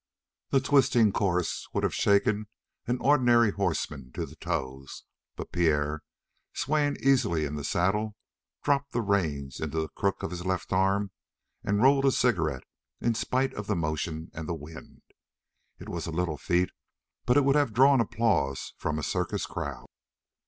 That twisting course would have shaken an ordinary horseman to the toes, but Pierre, swaying easily in the saddle, dropped the reins into the crook of his left arm and rolled a cigarette in spite of the motion and the wind. It was a little feat, but it would have drawn applause from a circus crowd.